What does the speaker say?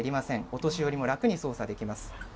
お年寄りも楽に操作できます。